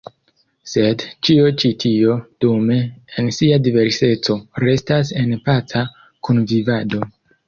Sed ĉio ĉi tio, dume, en sia diverseco restas en paca kunvivado.